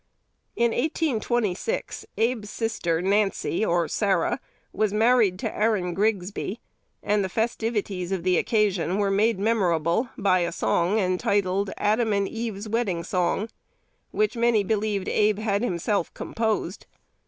In 1826 Abe's sister Nancy (or Sarah) was married to Aaron Grigsby; and the festivities of the occasion were made memorable by a song entitled, "Adam and Eve's Wedding Song," which many believed Abe had himself composed.